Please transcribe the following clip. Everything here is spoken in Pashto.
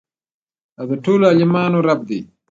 او د ټولو عالميانو رب دى.